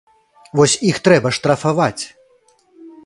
Вось іх трэба штрафаваць!